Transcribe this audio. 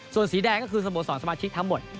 ส่วนสีแดงก็คือสโมสรสมาชิกทั้งหมด